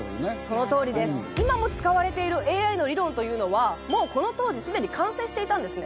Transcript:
その通りです今も使われているＡＩの理論というのはもうこの当時すでに完成していたんですね。